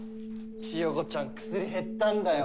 千世子ちゃん薬減ったんだよ。